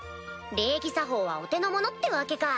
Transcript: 礼儀作法はお手のものってわけか